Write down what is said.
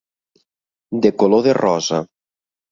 De color de rosa.